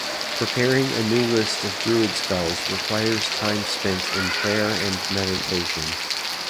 Preparing a new list of druid spells requires time spent in prayer and meditation.